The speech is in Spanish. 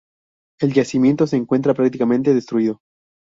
El yacimiento se encuentra prácticamente destruido.